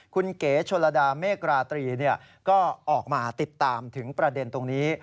คุณเก๋ชนลดาเมฆราตรีก็ออกมาติดตามถึงประเด็นตรงนี้